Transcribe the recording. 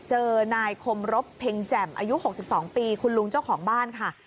เจอนายคมรบเพ็งแจ่มอายุ๖๒ปีคุณลุงเจ้าของบ้านค่ะ